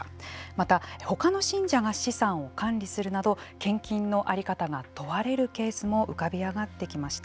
また他の信者が資産を管理するなど献金の在り方が問われるケースも浮かび上がってきました。